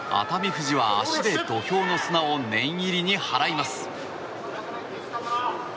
富士は、足で土俵の砂を念入りに払います。